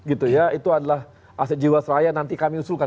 itu adalah aset jiwa saya nanti kami usulkan